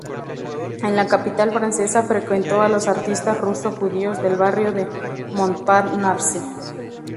En la capital francesa frecuentó a los artistas ruso-judíos del barrio de Montparnasse.